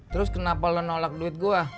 terus kenapa lo nolak duit gue